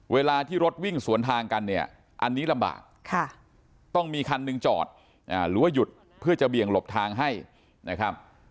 เวลาที่รถวิ่งสวนทางกันเนี่ยอันนี้ลำบากต้องมีคันหนึ่งจอดหรือว่าหยุดเพื่อจะเบี่ยงหลบทางให้นะครับ